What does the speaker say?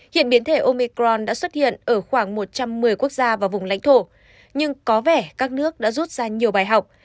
hiện biến thể omicron đã xuất hiện ở khoảng một trăm một mươi quốc gia và vùng lãnh thổ nhưng có vẻ các nước đã rút ra nhiều bài học